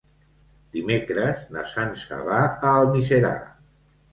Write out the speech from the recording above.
Dimecres na Sança va a Almiserà.